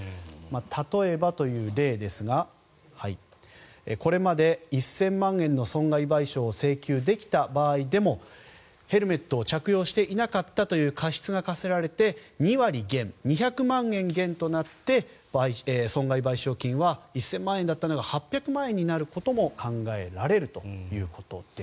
例えばという例ですがこれまで１０００万円の損害賠償を請求できた場合でもヘルメットを着用していなかったという過失が科せられて２割減、２００万円減となって損害賠償金は１０００万円だったのが８００万円になることも考えられるということです。